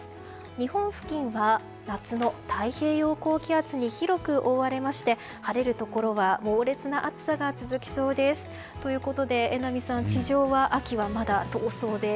日本付近は夏の太平洋高気圧に広く覆われまして晴れるところは猛烈な暑さが続きそうです。ということで榎並さん地上は秋はまだ遠そうです。